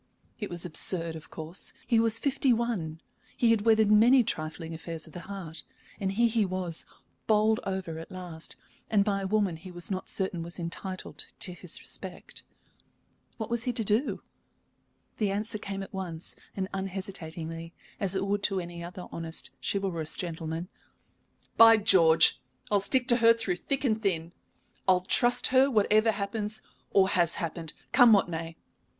It was absurd, of course. He was fifty one, he had weathered many trifling affairs of the heart, and here he was, bowled over at last, and by a woman he was not certain was entitled to his respect. What was he to do? The answer came at once and unhesitatingly, as it would to any other honest, chivalrous gentleman. "By George, I'll stick to her through thick and thin! I'll trust her whatever happens or has happened, come what may.